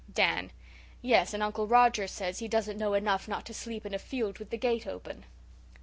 DAN: "Yes, and Uncle Roger says he doesn't know enough not to sleep in a field with the gate open."